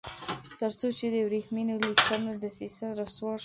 تر څو چې د ورېښمینو لیکونو دسیسه رسوا شوه.